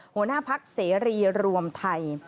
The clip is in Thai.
หัวหน้าพักเสรีรวมไทย